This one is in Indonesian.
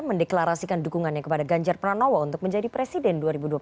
mendeklarasikan dukungannya kepada ganjar pranowo untuk menjadi presiden dua ribu dua puluh